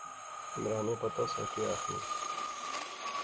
عمرانے پتہ سا کہیہ آخنی